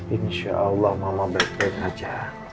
insya allah mama backpack aja